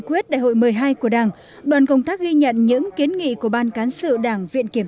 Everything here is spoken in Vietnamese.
nghị quyết đại hội một mươi hai của đảng đoàn công tác ghi nhận những kiến nghị của ban cán sự đảng viện kiểm